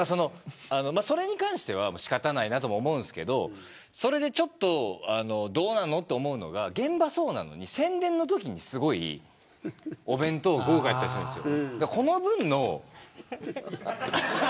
それに関しては仕方ないと思うんですけどそれで、どうなのと思うのが現場はそうなのに、宣伝のときにすごいお弁当が豪華だったりするんですよ。